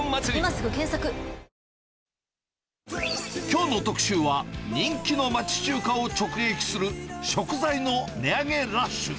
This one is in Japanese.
きょうの特集は、人気の町中華を直撃する食材の値上げラッシュ。